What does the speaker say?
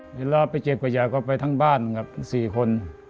เวลาไปเจ็บกระยะก็ไปทั้งบ้านกับสี่คน